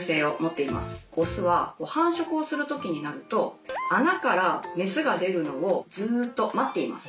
オスは繁殖をする時になると穴からメスが出るのをずっと待っています。